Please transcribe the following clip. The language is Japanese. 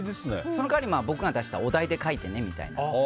その代わり、僕が出したお題で描いてねみたいな。